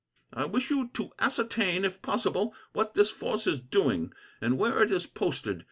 "I wish you to ascertain, if possible, what this force is doing, and where it is posted.